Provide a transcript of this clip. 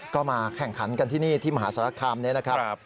ก็มาแข่งขันกันที่นี่ที่มหาสารคามนี้นะครับ